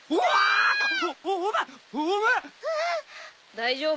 大丈夫。